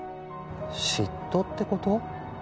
嫉妬ってこと？